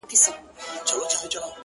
د نورو د ستم په گيلاسونو کي ورک نه يم ـ